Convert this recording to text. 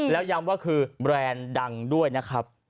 แล้วย้ำว่าคือแบรนด์ดังด้วยนะครับ